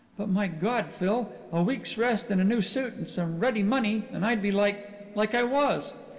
But, my God, Phil, a week's rest and a new suit and some ready money and I'd be like like I was.